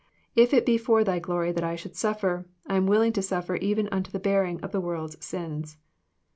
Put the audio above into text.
If it be for Thy glory that I should suffer, I am willing to suffer even unto the bearing of the world's sins."